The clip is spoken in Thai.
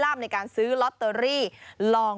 สวัสดีครับสวัสดีครับ